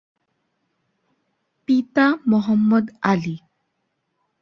পিতা মোহাম্মদ আলি।